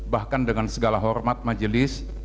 bahkan dengan segala hormat majelis